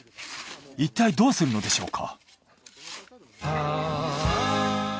いったいどうするのでしょうか？